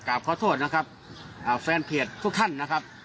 กลับขอโทษนะครับแฟนเพลียดทุกท่านนะครับ